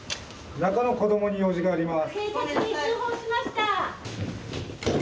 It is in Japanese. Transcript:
中の子どもに用事があります。